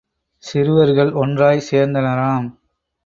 சிறுவர்கள் ஒன்றாய்ச் சேர்ந்தனராம்.